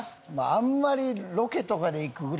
あんまりロケとかで行くぐらいですね。